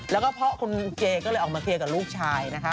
แล้วก็เพราะคุณเจก็เลยออกมาเคลียร์กับลูกชายนะคะ